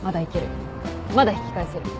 まだ引き返せる。